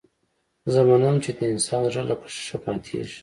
زه منم چې د انسان زړه لکه ښيښه ماتېږي.